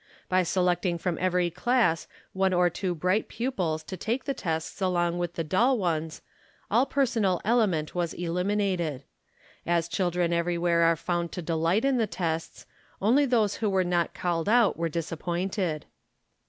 By selecting from every class one or two bright pupils to take the tests along with the dull ones, all personal element was eliminated. As children everywhere are found to delight in the tests, only those who were not called out were disappointed.